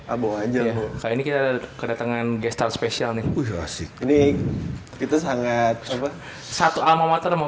abo aja kali ini kita kedatangan gestalt spesial nih asyik ini kita sangat satu alma mater sama